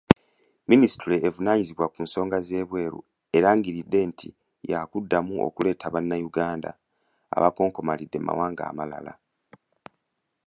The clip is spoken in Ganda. Minisitule evunaanyizibwa ku nsonga z'ebweru erangiridde nti yaakuddamu okuleeta bannayuganda abakonkomalidde mu mawanga amalala.